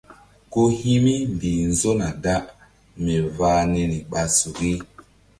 Ku hi̧ mi mbih nzona da mi vah niri ɓa suki.